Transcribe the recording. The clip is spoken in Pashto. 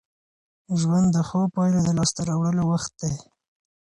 ژوند د ښو پايلو د لاسته راوړلو وخت دی.